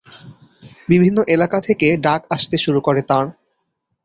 বিভিন্ন এলাকা থেকে ডাক আসতে শুরু করে তাঁর।